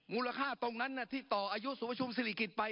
มูลค่าตรงนั้นที่ต่ออายุสวชมศิริกิจไป